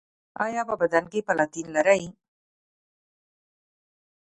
ایا په بدن کې پلاتین لرئ؟